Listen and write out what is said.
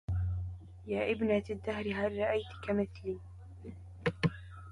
يائبنة الدهر هل رأيت كمثلي